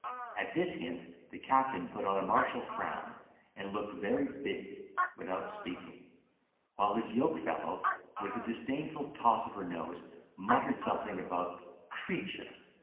At this hint the captain put on a martial frown, and looked very big, without speaking; while his yokefellow, with a disdainful toss of her nose, muttered something about "Creature!"